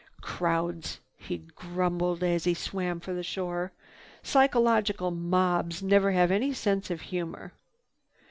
"Crowds," he grumbled as he swam for the shore, "psychological mobs never have any sense of humor."